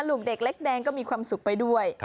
ลูกเด็กเล็กแดงก็มีความสุขไปด้วย